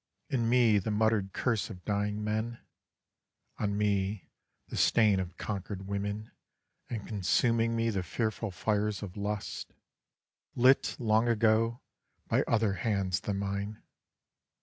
In me the muttered curse of dying men, On me the stain of conquered women, and Consuming me the fearful fires of lust, Lit long ago, by other hands than mine.